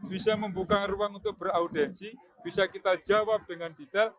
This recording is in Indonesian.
bisa membuka ruang untuk beraudensi bisa kita jawab dengan detail